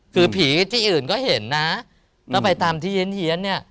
คือผีที่อื่นก็เห็นนะก็ไปตามที่เฮียนเนี่ย